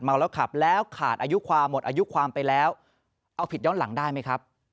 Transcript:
ขับแล้วขาดอายุความหมดอายุความไปแล้วเอาผิดย้อนหลังได้ไหมครับ